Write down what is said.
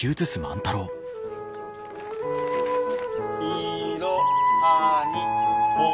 「いろはにほへと」。